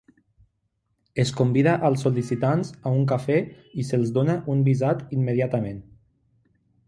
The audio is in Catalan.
Es convida als sol·licitants a un cafè i se'ls dona un visat immediatament.